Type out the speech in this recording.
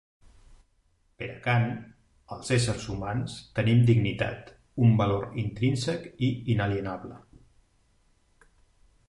Per a Kant els éssers humans tenim dignitat, un valor intrínsec i inalienable.